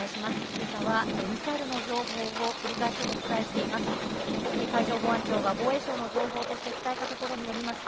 今朝はミサイルの情報を繰り返しお伝えしています。